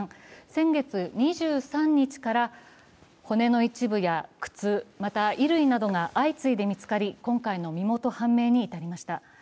先月２３日から骨の一部や靴、また衣類などが相次いで見つかり、今回の身元判明に至りました。